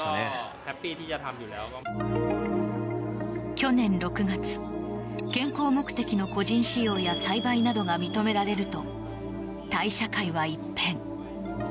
去年６月健康目的の個人使用や栽培などが認められるとタイ社会は一変。